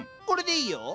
これでいいよ。